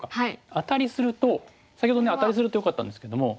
アタリすると先ほどアタリするとよかったんですけども。